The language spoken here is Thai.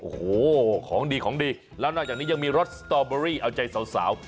โอ้โหของดีของดีแล้วนอกจากนี้ยังมีรถสตอเบอรี่เอาใจสาว